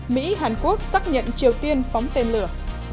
mỹ hàn quốc xác nhận triều tiên phóng tên lửa